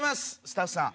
スタッフさん。